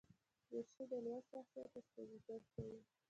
دریشي د لوړ شخصیت استازیتوب کوي.